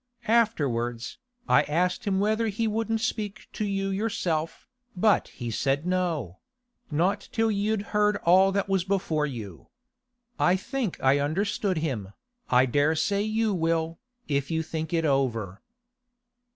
Afterwards, I asked him whether he wouldn't speak to you yourself, but he said no—not till you'd heard all that was before you. I think I understood him, and I dare say you will, if you think it over.